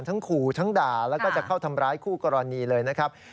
ขู่ทั้งด่าแล้วก็จะเข้าทำร้ายคู่กรณีเลยนะครับ